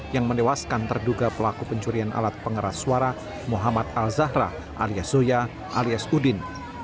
yang menewaskan terduga pelaku pencurian alat pengeras suara muhammad al zahra alias zoya alias udin